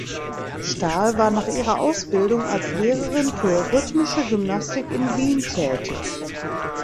Stahl war nach ihrer Ausbildung als Lehrerin für Rhythmische Gymnastik in Wien tätig.